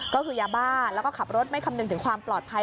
ก็คือยาบ้าแล้วก็ขับรถไม่คำนึงถึงความปลอดภัย